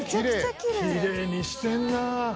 きれいにしてるな。